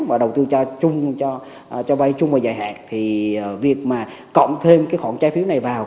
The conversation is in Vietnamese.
và đầu tư cho bay chung và dài hạn thì việc mà cộng thêm cái khoản trái phiếu này vào